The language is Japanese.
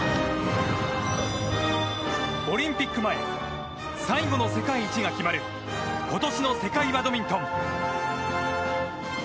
オリンピック前最後の世界一が決まる今年の世界バドミントン。